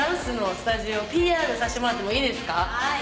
はい。